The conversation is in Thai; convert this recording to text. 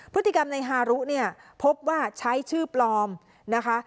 พฤติกรรมในฮารุเนี่ยพบว่าใช้ชื่อปลอมนะคะ